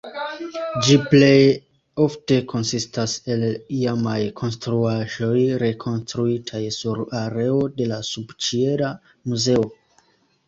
Ĝi plej ofte konsistas el iamaj konstruaĵoj, rekonstruitaj sur areo de la subĉiela muzeo.